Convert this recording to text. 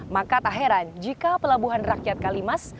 maka tak heran jika pelabuhan rakyat kalimas